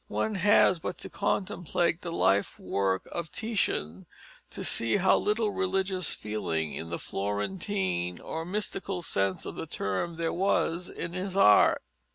One has but to contemplate the life work of Titian to see how little religious feeling, in the Florentine or mystical sense of the term, there was in his art.